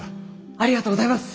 ありがとうございます！